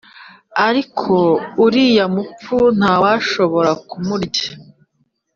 , ariko uriya mupfu ntawashobora kumurya